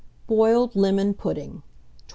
BOILED LEMON PUDDING. 1298.